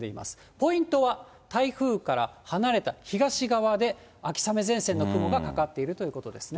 ポイントは、台風から離れた東側で、秋雨前線の雲がかかっているということですね。